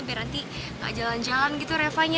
biar nanti gak jalan jalan gitu revanya